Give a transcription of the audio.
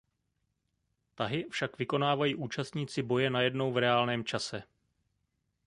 Tahy však vykonávají účastníci boje najednou v reálném čase.